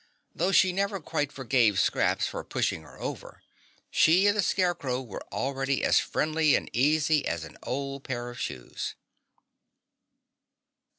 Though she never quite forgave Scraps for pushing her over, she and the Scarecrow were already as friendly and easy as an old pair of shoes.